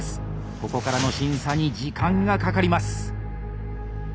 ここからの審査に時間がかかります。